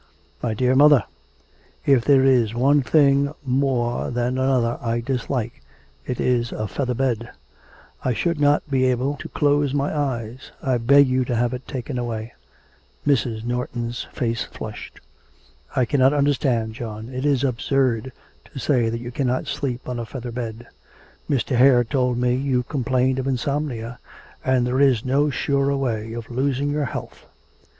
'My dear mother, if there is one thing more than another I dislike, it is a feather bed. I should not be able to close my eyes; I beg of you to have it taken away.' Mrs. Norton's face flushed. 'I cannot understand, John; it is absurd to say that you cannot sleep on a feather bed. Mr. Hare told me you complained of insomnia, and there is no surer way of losing your health.